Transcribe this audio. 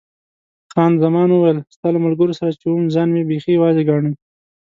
خان زمان وویل، ستا له ملګرو سره چې وم ځان مې بیخي یوازې ګاڼه.